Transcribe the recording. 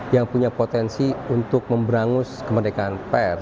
yang punya potensi untuk memberangus kemerdekaan pers